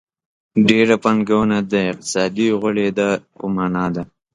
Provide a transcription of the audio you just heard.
ډېره پانګونه د اقتصادي غوړېدا په مانا ده.